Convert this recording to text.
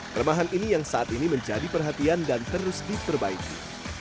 kelemahan ini yang saat ini menjadi perhatian dan terus diperbaiki